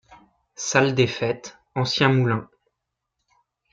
Salle des fêtes, ancien moulin,